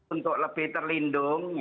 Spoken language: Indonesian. untuk lebih terlindung